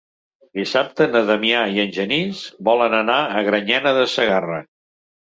Dissabte na Damià i en Genís volen anar a Granyena de Segarra.